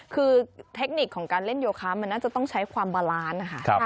คือเทคนิคของการเล่นโยคะมันน่าจะต้องใช้ความบาลานซ์นะคะ